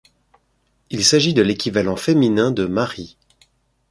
Il s'agit de l'équivalent féminin de mari.